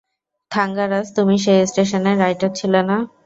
থাঙ্গারাজ, তুমি সেই স্টেশনে রাইটার ছিলে না?